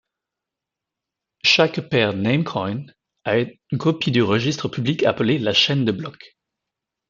Chaque pair Namecoin a une copie du registre public appelé la chaîne de blocs.